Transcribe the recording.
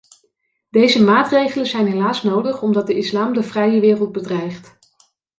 Deze maatregelen zijn helaas nodig omdat de islam de vrije wereld bedreigt.